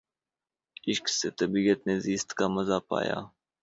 عشق سے طبیعت نے زیست کا مزا پایا